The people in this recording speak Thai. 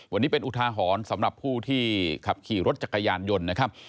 วันนี้เป็นอุทาหรณ์สำหรับผู้ที่ขับขี่รถจักรยานยนต์นะครับ